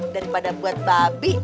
daripada buat babi